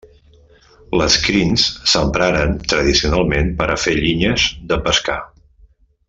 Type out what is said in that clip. Les crins s'empraren tradicionalment per a fer llinyes de pescar.